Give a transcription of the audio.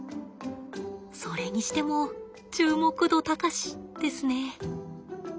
それにしても注目度高しですね。